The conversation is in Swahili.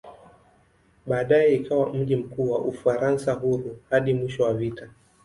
Baadaye ikawa mji mkuu wa "Ufaransa Huru" hadi mwisho wa vita.